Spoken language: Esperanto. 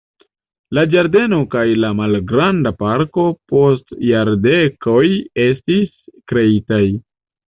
La ĝardeno kaj la malgranda parko post jardekoj estis kreitaj.